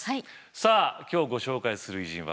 さあ今日ご紹介する偉人はこの人！